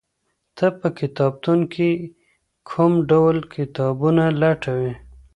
ته په کتابتون کي کوم ډول کتابونه لټوې؟